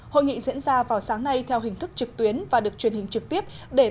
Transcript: hội nghị diễn ra vào sáng nay theo hình thức trực tuyến và được truyền hình trực tiếp